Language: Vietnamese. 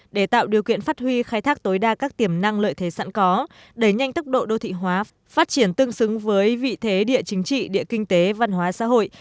để tạo điều kiện phát huy khai thác tối đa các tiềm năng lợi thế sẵn có đẩy nhanh tốc độ đô thị hóa phát triển tương xứng với vị thế địa chính trị địa kinh tế văn hóa xã hội